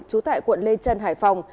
trú tại quận lê trân hải phòng